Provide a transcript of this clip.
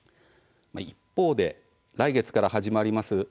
一方で来月から始まります